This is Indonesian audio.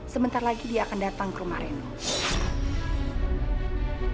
sebentar lagi dia akan datang ke rumah reno